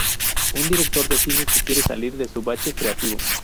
Un director de cine que quiere salir de su bache creativo.